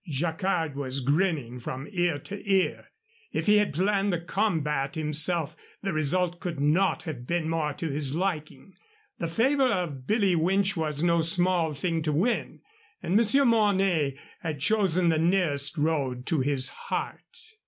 Jacquard was grinning from ear to ear. If he had planned the combat himself, the result could not have been more to his liking. The favor of Billy Winch was no small thing to win, and Monsieur Mornay had chosen the nearest road to his heart.